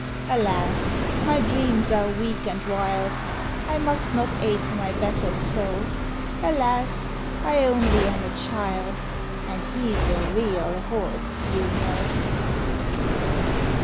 Alas! my dreams are weak and wild, I must not ape my betters so; Alas! I only am a child, And he's a real horse, you know.